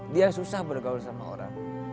dia susah bergaul sama orang